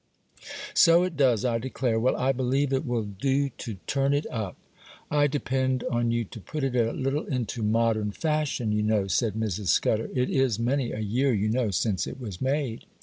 'So it does, I declare. Well, I believe it will do to turn it up.' 'I depend on you to put it a little into modern fashion, you know,' said Mrs. Scudder. 'It is many a year, you know, since it was made.